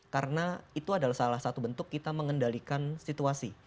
karena itu adalah salah satu bentuk kita mengendalikan situasi